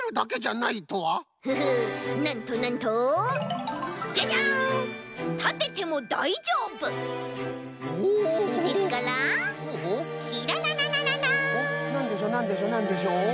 なんでしょうなんでしょうなんでしょう？